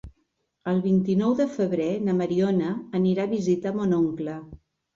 El vint-i-nou de febrer na Mariona anirà a visitar mon oncle.